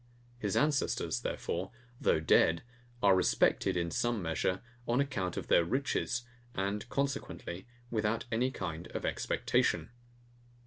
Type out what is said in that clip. His ancestors, therefore, though dead, are respected, in some measure, on account of their riches; and consequently, without any kind of expectation.